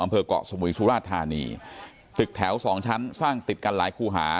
เกาะสมุยสุราชธานีตึกแถวสองชั้นสร้างติดกันหลายคู่หา